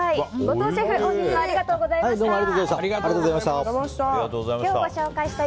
後藤シェフ本日はありがとうございました。